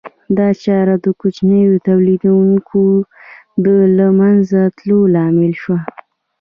دا چاره د کوچنیو تولیدونکو د له منځه تلو لامل شوه